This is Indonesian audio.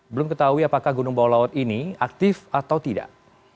belum ketahui apakah gunung bawah laut ini aktif atau tidak